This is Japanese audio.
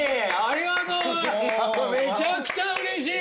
めちゃくちゃうれしい！